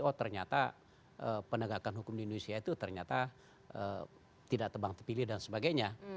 oh ternyata penegakan hukum di indonesia itu ternyata tidak tebang terpilih dan sebagainya